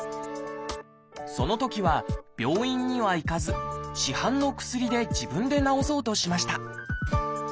そのときは病院には行かず市販の薬で自分で治そうとしました。